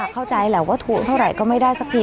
เข้าใจแหละว่าทวงเท่าไหร่ก็ไม่ได้สักที